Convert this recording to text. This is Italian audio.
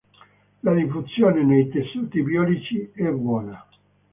La diffusione nei tessuti biologici è buona.